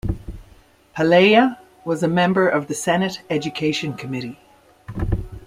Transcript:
Palaia was a member of the Senate Education Committee.